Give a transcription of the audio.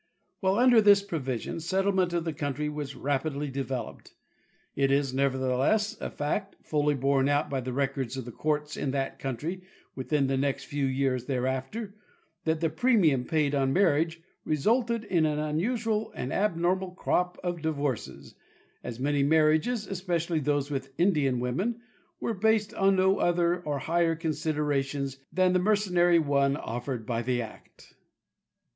While under this provision set tlement of the country was rapidly developed, it is nevertheless a fact, fully borne out by the records of the courts in that country within the next few years thereafter, that the premium paid on marriage resulted in an unusual and abnormal crop of divorces, as Many marriages, especially those with Indian women, were based on no other or higher considerations than the mercenary ones offered by the act.